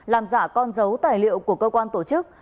làm giả con dấu tài liệu của cơ quan tổ chức